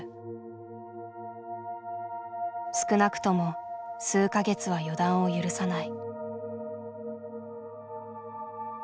少なくとも数か月は予断を許さない。